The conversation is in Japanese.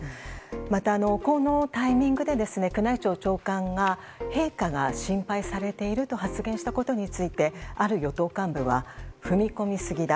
また、このタイミングで宮内庁長官が陛下が心配されていると発言したことについてある与党幹部は踏み込みすぎだ。